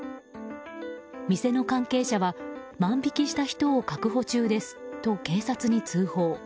店の関係者は、万引きした人を確保中ですと警察に通報。